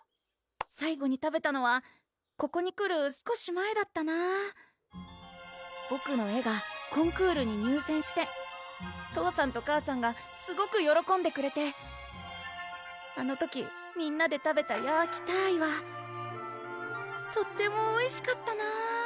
最後に食べたのはここに来る少し前だったなボクの絵がコンクールに入選して父さんと母さんがすごくよろこんでくれてあの時みんなで食べたヤーキターイはとってもおいしかったな